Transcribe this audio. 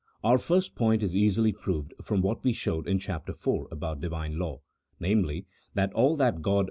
Our first point is easily proved from what we showed in Chap. IY. about Divine law — namely, that all that God CHAP. VI.